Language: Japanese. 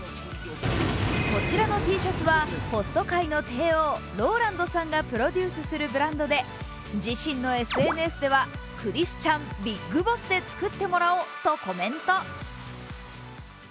こちらのＴシャツはホスト界の帝王、ＲＯＬＡＮＤさんがプロデュースするブランドで自身のＳＮＳでは「ＣＨＲＩＳＴＩＡＮＢＩＧＢＯＳＳで作ってもらお」とコメント。